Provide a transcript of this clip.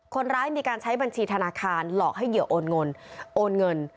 คนร้ายมีการใช้บัญชีธนาคารหลอกให้เกี่ยวโอนเงิน